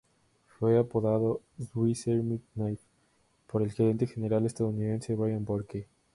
Fue apodado "Swiss Army Knife" por el gerente general estadounidense, Brian Burke.